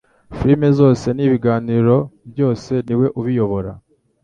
filimi zose n ibiganiro byose niwe ubiyobora